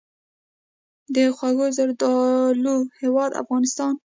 د خوږو زردالو هیواد افغانستان.